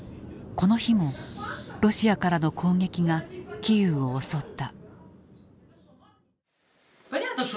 この日もロシアからの攻撃がキーウを襲った。